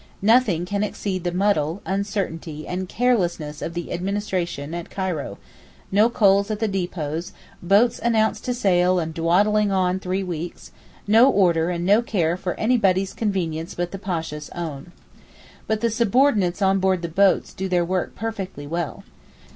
Nothing can exceed the muddle, uncertainty and carelessness of the 'administration' at Cairo: no coals at the depots, boats announced to sail and dawdling on three weeks, no order and no care for anybody's convenience but the Pasha's own. But the subordinates on board the boats do their work perfectly well.